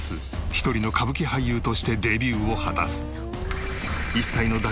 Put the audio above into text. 一人の歌舞伎俳優としてデビューを果たす。